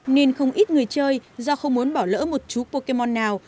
nên không ít người chơi do không muốn bỏ lỡ một chú pokemond nào